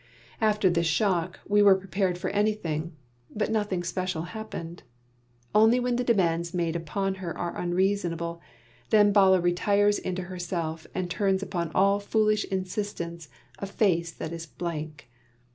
After this shock we were prepared for anything, but nothing special happened; only when the demands made upon her are unreasonable, then Bala retires into herself and turns upon all foolish insistence a face that is a blank.